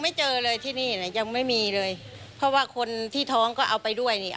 ไม่มีค่ะ